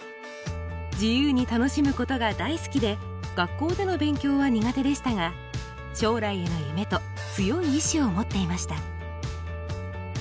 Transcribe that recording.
自由に楽しむことが大好きで学校での勉強は苦手でしたが将来への夢と強い意思を持っていました。